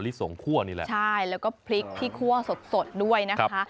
พริกส่งคั่วนี่แหละใช่แล้วก็พริกพริกคั่วสดด้วยนะครับ